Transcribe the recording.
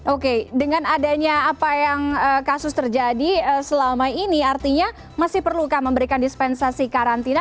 oke dengan adanya apa yang kasus terjadi selama ini artinya masih perlukah memberikan dispensasi karantina